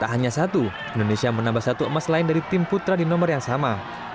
tak hanya satu indonesia menambah satu emas lain dari tim putra di nomor yang sama